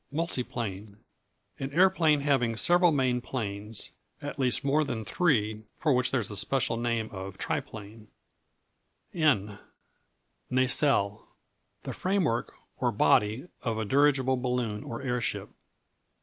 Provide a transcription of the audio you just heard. Multiplane An aeroplane having several main planes, at least more than three (for which there is the special name of triplane). N Nacelle The framework, or body, of a dirigible balloon or airship.